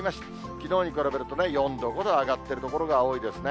きのうに比べると４度、５度上がっている所が多いですね。